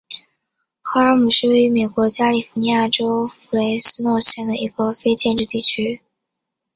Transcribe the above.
赫尔姆是位于美国加利福尼亚州弗雷斯诺县的一个非建制地区。